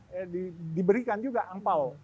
ya diberikan juga angpao